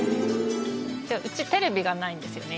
うちテレビがないんですよね